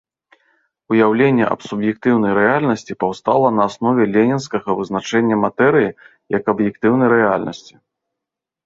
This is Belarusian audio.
Уяўленне аб суб'ектыўнай рэальнасці паўстала на аснове ленінскага вызначэння матэрыі як аб'ектыўнай рэальнасці.